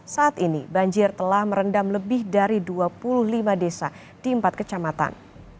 saat ini banjir telah merendam lebih dari dua puluh lima desa di empat kecamatan